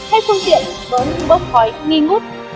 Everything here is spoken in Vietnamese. hay phương tiện bớt bốc khói nghi ngút